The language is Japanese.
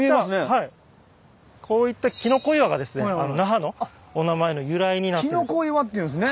こういったきのこ岩がですね那覇のお名前の由来になったんですね。